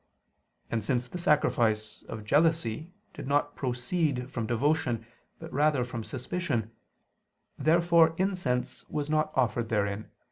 And since the sacrifice "of jealousy" did not proceed from devotion, but rather from suspicion, therefore incense was not offered therein (Num.